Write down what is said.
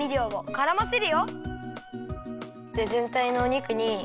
からませる。